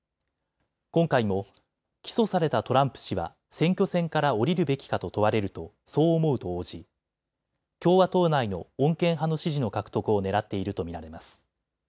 今回も起訴されたトランプ氏は選挙戦から降りるべきかと問われると、そう思うと応じ共和党内の穏健派の支持の獲得をねらっていると見られます。